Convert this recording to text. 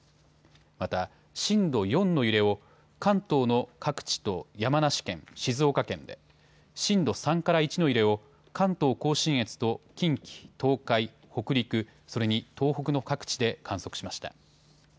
また震度４の揺れを関東の各地と山梨県、静岡県で、震度３から１の揺れを関東甲信越と近畿、東海、北陸、それに東北の各地で観測しました。